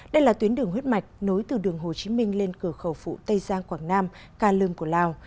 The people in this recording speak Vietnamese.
đây là tuyến đường huyết mạch nối từ đường hồ chí minh lên cửa khẩu phụ tây giang quảng nam ca lương của lào